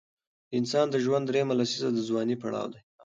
د انسان د ژوند دریمه لسیزه د ځوانۍ پړاو دی.